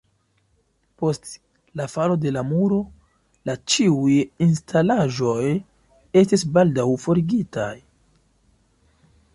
Post "„la falo de la muro“" la ĉiuj instalaĵoj estis baldaŭ forigitaj.